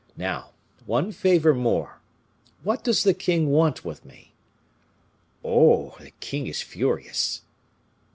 Now, one favor more; what does the king want with me?" "Oh, the king is furious!"